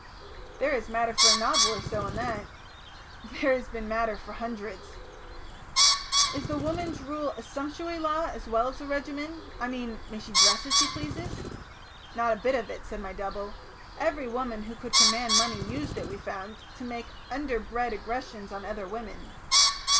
"There is matter for a novel or so in that." "There has been matter for hundreds." "Is the Woman's Rule a sumptuary law as well as a regimen? I mean may she dress as she pleases?" "Not a bit of it," said my double. "Every woman who could command money used it, we found, to make underbred aggressions on other women.